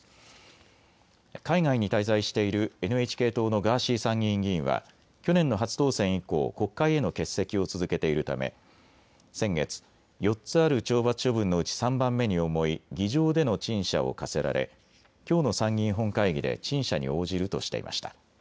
海外に滞在しているＮＨＫ党のガーシー参議院議員は去年の初当選以降、国会への欠席を続けているため先月、４つある懲罰処分のうち３番目に重い議場での陳謝を科せられきょうの参議院本会議で陳謝に応じるとしていました。